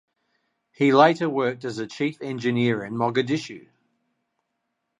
He later worked as a Chief Engineer in Mogadishu.